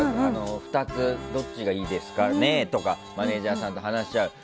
２つどっちがいいですかねとかマネジャーさんと話し合う。